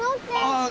ああ。